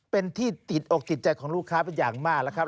เป็นที่ติดอกติดใจของลูกค้าเป็นอย่างมากแล้วครับ